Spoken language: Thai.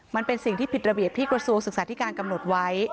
มันเป็นสิ่งที่ผิดระเบียบที่กระทรวงศึกษาธิการกำหนดไว้